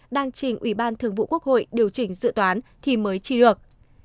đang chỉnh ubnd điều chỉnh dự toán thì mới chi được